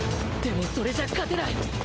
でもそれじゃ勝てない